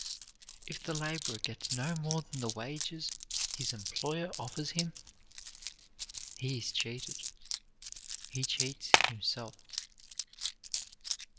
"If the laborer gets no more than the wages his employer offers him, he is cheated; he cheats himself."